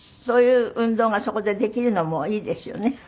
そういう運動がそこでできるのもいいですよね。